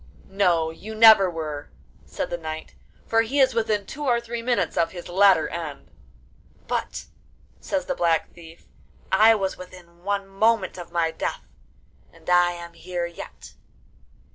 'No, you never were,' said the knight; 'for he is within two or three minutes of his latter end.' 'But,' says the Black Thief, 'I was within one moment of my death, and I am here yet.